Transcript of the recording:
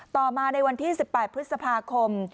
ต่อมาในวันที่๑๘พฤษภาคม